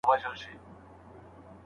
سیاستوالو به خپل سفارتونه پرانیستي وه.